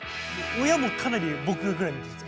親もかなり僕ぐらいの。